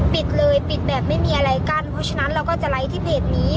ปิดเลยปิดแบบไม่มีอะไรกั้นเพราะฉะนั้นเราก็จะไลค์ที่เพจนี้